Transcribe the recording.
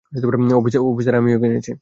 Officer, আমিই ওকে এনেছি।